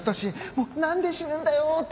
もう何で死ぬんだよ！って